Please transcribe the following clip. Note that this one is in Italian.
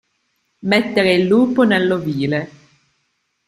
Mettere il lupo nell'ovile.